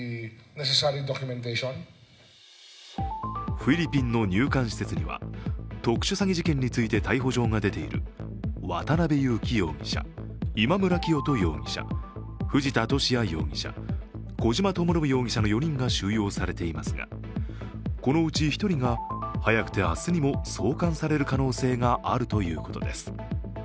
フィリピンの入管施設には特殊詐欺事件について逮捕状が出ている渡辺優樹容疑者、今村磨人容疑者藤田聖也容疑者、小島智信容疑者の４人が収容されていますがこのうち１人が早くて明日にも送還される可能性があるということです。